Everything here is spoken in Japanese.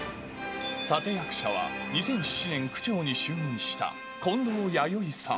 立て役者は２００７年区長に就任した近藤やよいさん。